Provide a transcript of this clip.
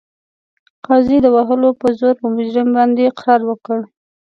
قاضي د وهلو په زور په مجرم باندې اقرار وکړ.